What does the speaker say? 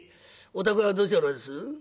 お宅はどちらです？」。